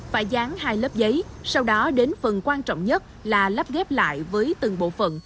phải dán hai lớp giấy sau đó đến phần quan trọng nhất là lắp ghép lại với từng bộ phận